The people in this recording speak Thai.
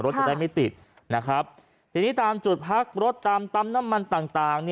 รถจะได้ไม่ติดทีนี้ตามจุดพักรถตำตำน้ำมันต่าง